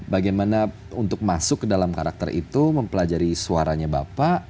bagaimana untuk masuk ke dalam karakter itu mempelajari suaranya bapak